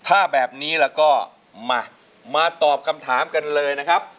ถ้าแบบนี้แล้วก็มามาตอบคำถามกันเลยนะครับ